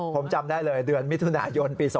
ผมจำได้เลยเดือนมิถุนายนปี๒๕๖